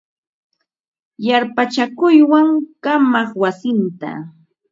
Yarpachakuykan wamaq wasinta.